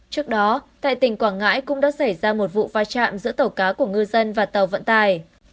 trước đó tại tỉnh quảng ngãi cũng đã xảy ra một vụ va chạm giữa tàu cá của ngư dân và tàu vận tài